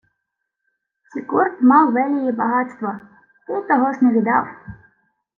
— Сікурд мав велії багатства. Ти того-с не відав.